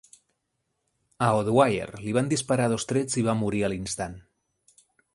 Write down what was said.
A O'Dwyer li van disparar dos trets i va morir a l'instant.